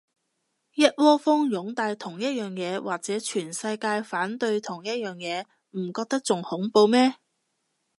一窩蜂擁戴同一樣嘢，或者全世界反對同一樣嘢，唔覺得仲恐怖咩